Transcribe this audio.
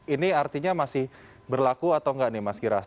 ini artinya masih berlaku atau nggak nih mas giras